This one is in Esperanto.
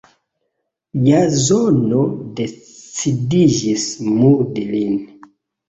Jazono decidiĝis murdi lin.